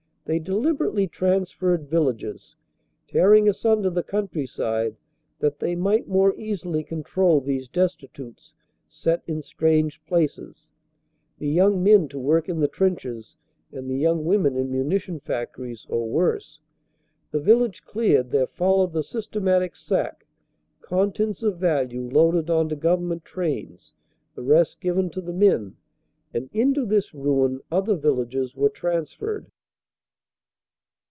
They deliberately transferred villages, tearing asun der the countryside that they might more easily control these destitutes set in strange places the young men to work in the trenches and the young women in munition factories or worse. The village cleared, there followed the systematic sack; con tents of value loaded on to government trains, the rest given to the men. And into this ruin other villages were transferred.